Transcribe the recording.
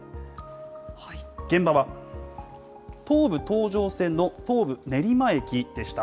現場は、東武東上線の東武練馬駅でした。